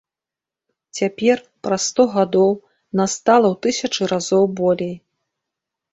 Цяпер, праз сто гадоў, нас стала ў тысячы разоў болей.